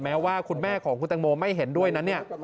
แม้ว่าคุณแม่ของคุณตังโมไม่เห็นด้วยนั้นเนี่ย